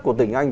của tỉnh anh